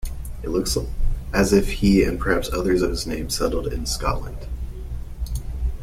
It looks as if he, and perhaps others of his name settled in Scotland.